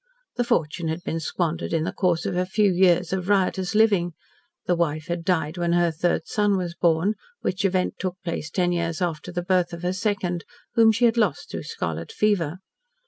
The fortune had been squandered in the course of a few years of riotous living, the wife had died when her third son was born, which event took place ten years after the birth of her second, whom she had lost through scarlet fever.